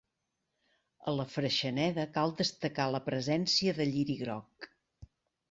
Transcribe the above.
A la freixeneda cal destacar la presència de lliri groc.